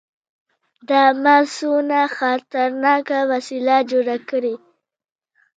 دا ما څونه خطرناکه وسله جوړه کړې.